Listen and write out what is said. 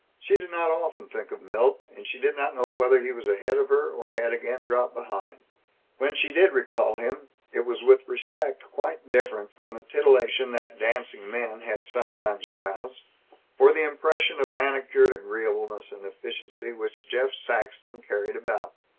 She did not often think of Milt; she did not know whether he was ahead of her, or had again dropped behind. When she did recall him, it was with respect quite different from the titillation that dancing men had sometimes aroused, or the impression of manicured agreeableness and efficiency which Jeff Saxton carried about.